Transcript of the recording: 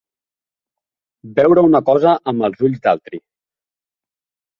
Veure una cosa amb els ulls d'altri.